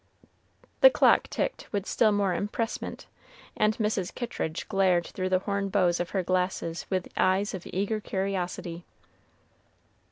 The clock ticked with still more empressement, and Mrs. Kittridge glared through the horn bows of her glasses with eyes of eager curiosity.